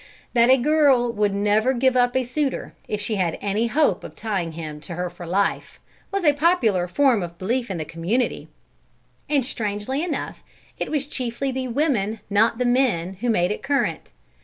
That a girl would never give up a suitor, if she had any hope of tying him to her for life, was a popular form of belief in the community; and strangely enough it was chiefly the women, not the men, who made it current.